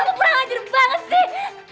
kamu kurang ajarin banget sih